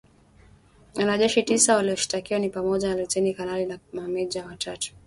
Wanajeshi tisa walioshtakiwa ni pamoja na luteni kanali na mameja watatu